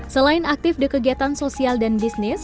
selain aktif di kegiatan sosial dan bisnis